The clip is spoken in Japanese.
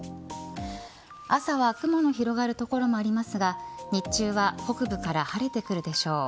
朝は雲の広がる所もありますが日中は北部から晴れてくるでしょう。